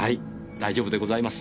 大丈夫でございます。